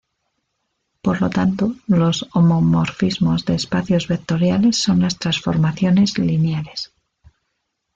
Por lo tanto, los homomorfismos de espacios vectoriales son las transformaciones lineales.